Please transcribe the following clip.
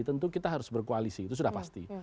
tentu kita harus berkoalisi itu sudah pasti